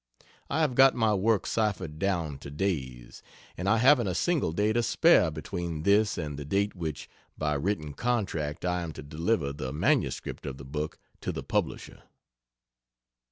I have got my work ciphered down to days, and I haven't a single day to spare between this and the date which, by written contract I am to deliver the M.S. of the book to the publisher.